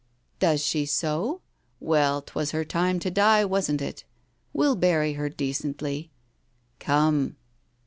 "Does she so? Well, 'twas her time to die, wasn't it? We'll bury her decently. Come."